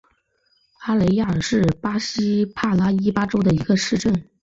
阿雷亚尔是巴西帕拉伊巴州的一个市镇。